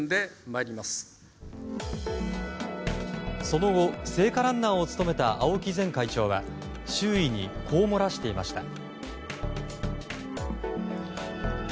その後聖火ランナーを務めた青木前会長は周囲に、こう漏らしていました。